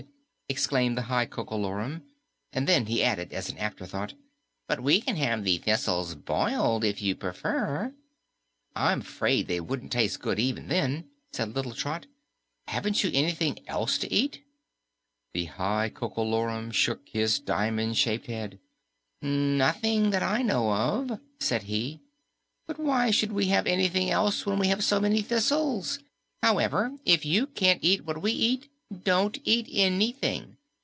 exclaimed the High Coco Lorum, and then he added as an afterthought, "but we can have the thistles boiled, if you prefer." "I'm 'fraid they wouldn't taste good even then," said little Trot. "Haven't you anything else to eat?" The High Coco Lorum shook his diamond shaped head. "Nothing that I know of," said he. "But why should we have anything else when we have so many thistles? However, if you can't eat what we eat, don't eat anything.